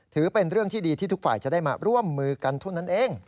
ถือเป็นเรื่องที่ดีที่ทุกฝ่ายจะได้มาร่วมมือกันเท่านั้นเอง